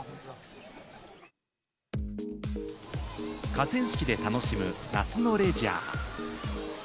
河川敷で楽しむ夏のレジャー。